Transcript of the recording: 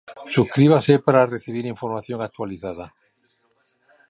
Subscríbase para recibir información actualizada